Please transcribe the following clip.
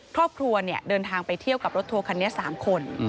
ครอบครัวเดินทางไปเที่ยวกับรถทัวร์คันนี้๓คน